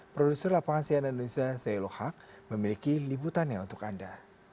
produser lapangan siaran indonesia zeylo haq memiliki liputannya untuk anda